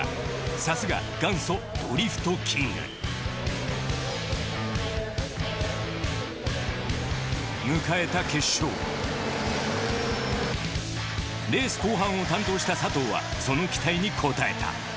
さすが元祖ドリフトキング迎えた決勝レース後半を担当した佐藤はその期待に応えた。